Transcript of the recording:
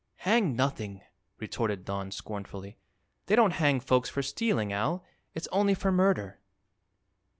"Hang nothing!" retorted Don, scornfully. "They don't hang folks for stealing, Al; it's only for murder."